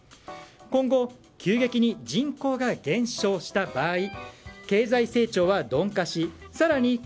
今後、急激に人口が減少した場合経済市長は鈍化し更に